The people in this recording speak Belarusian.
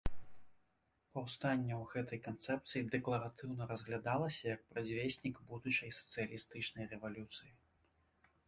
Паўстанне ў гэтай канцэпцыі дэкларатыўна разглядалася як прадвеснік будучай сацыялістычнай рэвалюцыі.